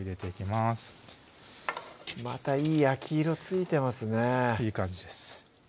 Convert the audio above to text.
またいい焼き色ついてますねいい感じです